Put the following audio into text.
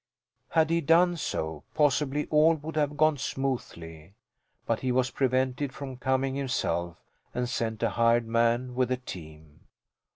Had he done so possibly all would have gone smoothly. But he was prevented from coming himself and sent a hired man with the team.